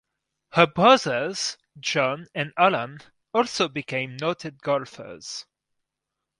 Her brothers John and Allan also became noted golfers.